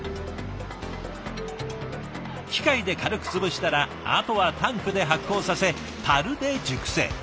機械で軽く潰したらあとはタンクで発酵させたるで熟成。